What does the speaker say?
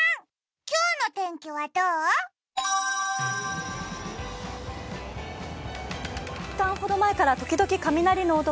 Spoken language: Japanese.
今日の天気はどう？